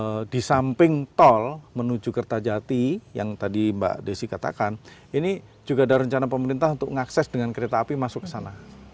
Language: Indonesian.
nah di samping tol menuju kertajati yang tadi mbak desi katakan ini juga ada rencana pemerintah untuk mengakses dengan kereta api masuk ke sana